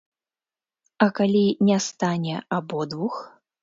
А калі не стане абодвух?